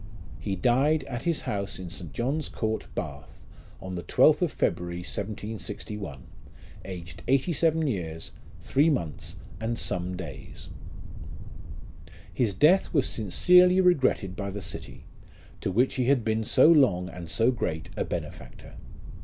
He died at his house in St. John's Court, Bath, on the 12th of February, 1761, aged eighty seven years, three months, and some days. 1 His death was sincerely regretted by the city, to which he had been so long and so great a benefactor.